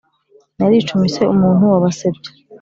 naricumise umuntu wa basebya